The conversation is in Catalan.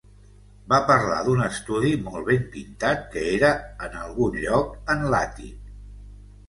Va parlar d'un estudi molt ben pintat que era en algun lloc en l'àtic.